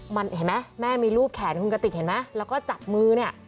แม่มีรูปแขนคุณกะติกเห็นไหมแล้วก็จับมือเนี่ย